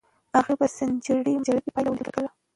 هغې په سنچري مجله کې پایله ولیکله.